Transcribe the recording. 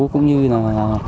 cũng như là